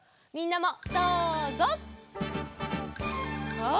みんなもどうぞ。